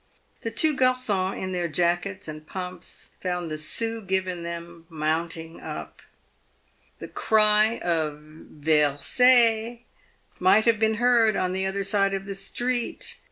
The two garcons in their jackets and pumps found the sous given them mounting up. The cry of " Ver r r sez" might have been heard on the other side of the street.